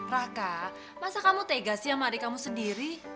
raka masa kamu tega sih sama adik kamu sendiri